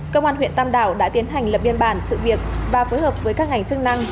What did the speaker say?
công an huyện tam đảo đã tiến hành lập biên bản sự việc và phối hợp với các ngành chức năng